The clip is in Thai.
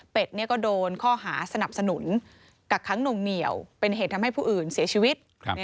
เป็นก็โดนข้อหาสนับสนุนกักค้างหนุ่งเหนียวเป็นเหตุทำให้ผู้อื่นเสียชีวิต